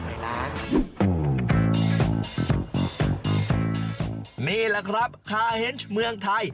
นี่แหละครับคาเฮนส์เมืองไทย